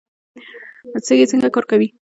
سږي څنګه کار کوي؟